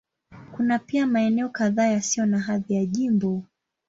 Kuna pia maeneo kadhaa yasiyo na hadhi ya jimbo.